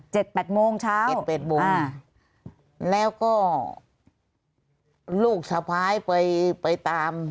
แปดโมงเช้าเจ็ดแปดโมงแล้วก็ลูกสะพ้ายไปไปตาม